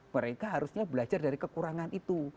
mereka harusnya belajar dari kekurangan itu